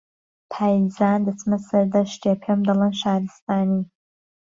پایزان دهچمه سهردهشتێ پێم دهڵێن شارهستانی